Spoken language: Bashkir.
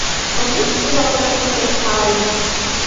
Ә мин күҙ алдыма килтереп ҡарайым.